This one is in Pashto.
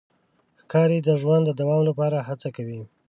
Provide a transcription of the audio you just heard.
ښکاري د ژوند د دوام لپاره هڅه کوي.